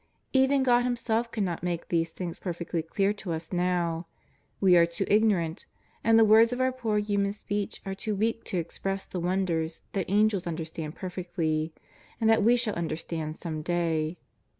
Even God Himself cannot make these things perfectly clear to us now; we are too ignorant, and the words of our poor human speech are too weak to express the wonders that Angels understand perfectly, and that we shall understand some day.